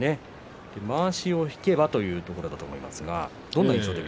まわしを引けばというところだと思いますが。